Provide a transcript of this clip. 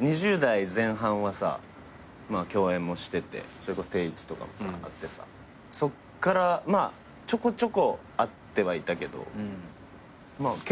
２０代前半はさまあ共演もしててそれこそ『帝一』とかもあってさそっからまあちょこちょこ会ってはいたけどまあ結構久しぶり？